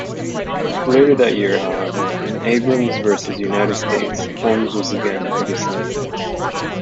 Later that year, however, in "Abrams versus United States", Holmes was again in dissent.